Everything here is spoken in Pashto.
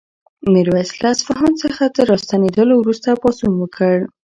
میرویس له اصفهان څخه تر راستنېدلو وروسته پاڅون وکړ.